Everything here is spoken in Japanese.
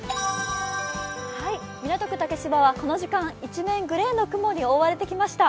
港区竹芝はこの時間、一面がグレーに覆われてきました。